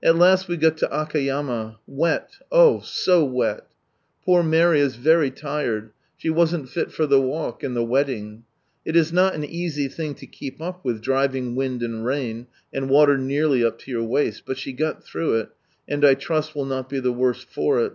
At last we got lo Akayama, wel, oh ! so weL Poor Mary is very tired ; she wasn't fit for the walk and the welling. It is not an easy thing to keep up wiih driving wind and rain, and water nearly up to your waist, but she got through it, and I trust will not be the worse for it.